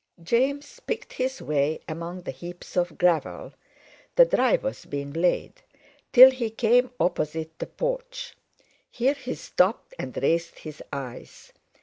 James picked his way among the heaps of gravel—the drive was being laid—till he came opposite the porch. Here he stopped and raised his eyes.